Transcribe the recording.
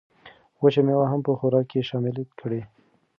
وچه مېوه هم په خوراک کې شامله کړئ.